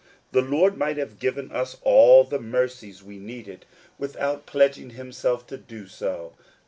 The Lord might have given us all the mercies we needed, without pledging himself to do so.